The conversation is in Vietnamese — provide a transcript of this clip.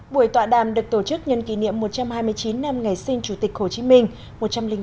buổi tọa đàm được tổ chức nhân kỷ niệm một trăm hai mươi chín năm ngày sinh chủ tịch hồ chí minh